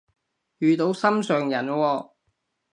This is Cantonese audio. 遇到心上人喎？